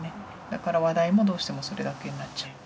だから話題もどうしてもそれだけになっちゃう。